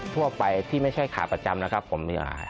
ทั่วไปที่ไม่ใช่ขาประจำนะครับผมมี